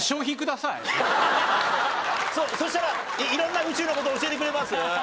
そしたら色んな宇宙の事教えてくれます？